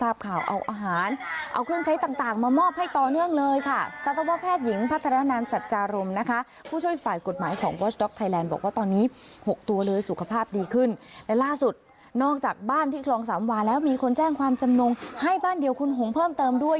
โอเคค่ะให้คุณหงบอกว่าเอาสุนัข๖ตัวมาใส่ได้เลย